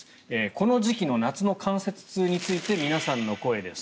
この時期の夏の関節痛について皆さんの声です。